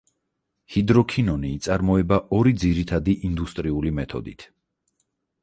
ჰიდროქინონი იწარმოება ორი ძირითადი ინდუსტრიული მეთოდით.